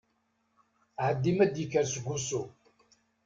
Ɛeddi m'ad d-yekker seg usu!